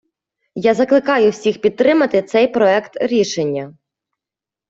Я закликаю всіх підтримати цей проект рішення!